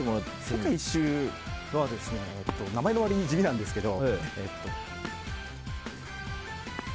世界一周は名前の割に地味なんですけど。